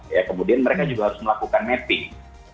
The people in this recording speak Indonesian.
ya kemudian mereka juga harus melakukan mapping